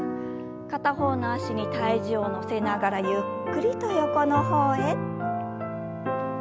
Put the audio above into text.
片方の脚に体重を乗せながらゆっくりと横の方へ。